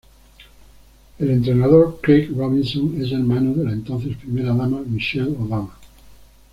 El entrenador, Craig Robinson, es hermano de la entonces primera dama Michelle Obama.